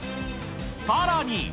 さらに。